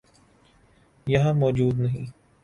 یہاں موجود نہیں۔